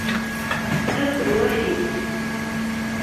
Akk lwaḥid!